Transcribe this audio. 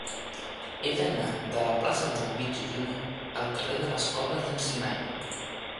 He d'anar de la plaça de la Mitja Lluna al carrer de les Coves d'en Cimany.